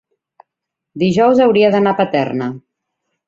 Dijous hauria d'anar a Paterna.